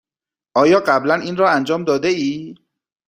آیا قبلا این را انجام داده ای؟